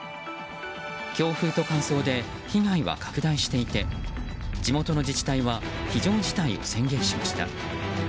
強風と乾燥で被害は拡大していて地元の自治体は非常事態を宣言しました。